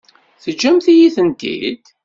Teǧǧamt-iyi-tent-id?